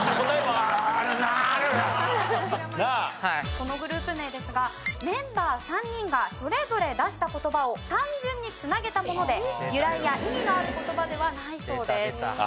このグループ名ですがメンバー３人がそれぞれ出した言葉を単純に繋げたもので由来や意味のある言葉ではないそうです。